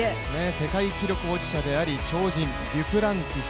世界記録保持者であり、超人デュプランティス。